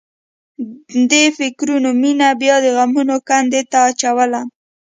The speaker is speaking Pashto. دې فکرونو مينه بیا د غمونو کندې ته اچوله